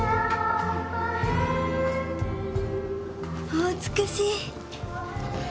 お美しい。